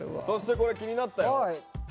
そしてこれ気になったよ。